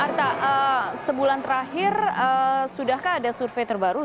arta sebulan terakhir sudahkah ada survei terbaru